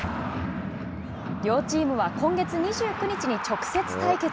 両チームは今月２９日に直接対決。